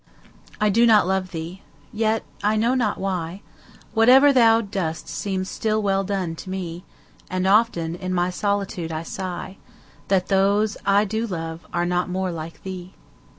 I do not love thee!—yet, I know not why, 5 Whate'er thou dost seems still well done, to me: And often in my solitude I sigh That those I do love are not more like thee!